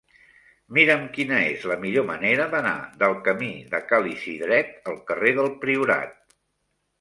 Mira'm quina és la millor manera d'anar del camí de Ca l'Isidret al carrer del Priorat.